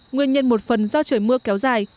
nguyên nhân một phần do trời mưa kéo dài